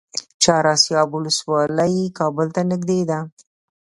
چهار اسیاب ولسوالۍ کابل ته نږدې ده؟